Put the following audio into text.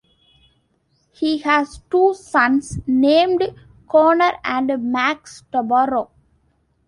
He has two sons named Connor and Max Tabarrok.